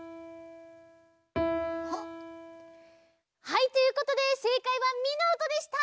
はいということでせいかいはミのおとでした！